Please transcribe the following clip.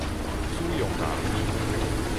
使用人